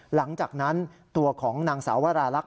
หลังจากนั้นตัวของนางสาววราลักษ